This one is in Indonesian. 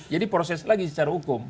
jadi proses lagi secara hukum